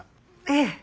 ええ。